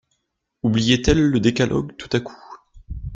Oubliait-elle le décalogue, tout à coup?